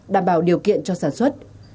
đảm bảo điều kiện cho sản xuất